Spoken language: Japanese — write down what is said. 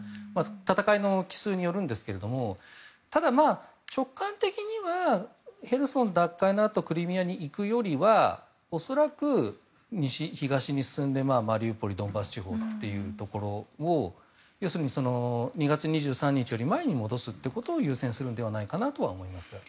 戦いの帰趨によるんですけどもただ、直感的にはヘルソン奪還のあとクリミアに行くよりは恐らく、東に進んでマリウポリドンバス地方というところを要するに２月２３日より前に戻すということを優先するのではないかなと思います。